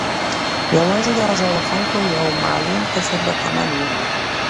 یوازې د آزادو خلکو یو معلوم قشر برخمن و.